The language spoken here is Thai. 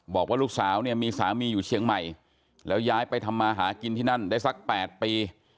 บอกว่าลูกสาวเนี่ยมีสามีอยู่เชียงใหม่แล้วย้ายไปทำมาหากินที่นั่นได้สัก๘ปี